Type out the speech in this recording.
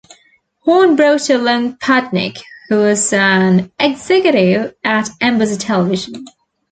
Horn brought along Padnick, who was an executive at Embassy Television.